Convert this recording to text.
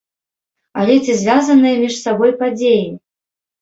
Але ці звязаныя між сабой падзеі?